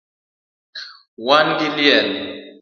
Wan gi liel